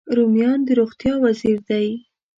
رومیان د روغتیا وزیر دی